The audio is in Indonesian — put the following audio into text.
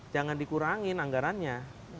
jangan dikurangin anggarannya